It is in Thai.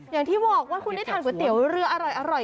อย่างที่บอกว่าคุณได้ทานก๋วยเตี๋ยวเรืออร่อย